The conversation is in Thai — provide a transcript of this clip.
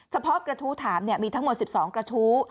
กระทู้ถามมีทั้งหมด๑๒กระทู้